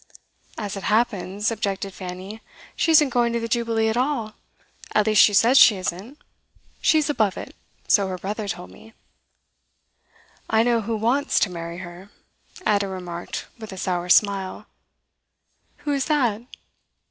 'As it happens,' objected Fanny, 'she isn't going to the Jubilee at all. At least she says she isn't. She's above it so her brother told me.' 'I know who wants to marry her,' Ada remarked, with a sour smile. 'Who is that?